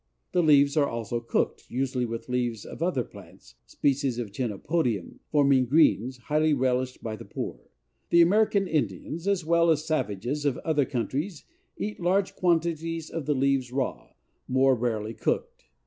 The leaves are also cooked, usually with leaves of other plants (species of chenopodium), forming "greens," highly relished by the poor. The American Indians as well as savages of other countries eat large quantities of the leaves raw, more rarely cooked.